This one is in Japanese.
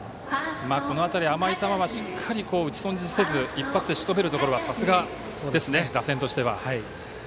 この辺り、甘い球はしっかり打ち損じせず一発でしとめるところはさすがですね、打線としては。